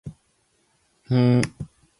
Manejó con notable maestría el buril y el pincel.